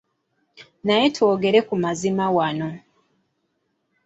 Naye twogere ku mazima wano.